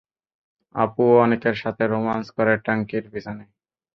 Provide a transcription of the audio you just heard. আপুও অনেকের সাথে, রোমান্স করে ট্যাংকির পিছনে।